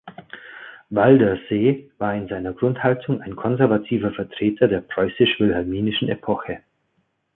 Waldersee war in seiner Grundhaltung ein konservativer Vertreter der preußisch-wilhelminischen Epoche.